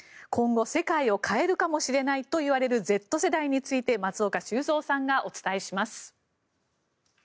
今後、世界を変えるかもしれないといわれるＺ世代について松岡修造さんがお伝えします。